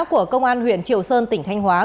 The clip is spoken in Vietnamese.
của công an huyện triệu sơn tỉnh thanh hóa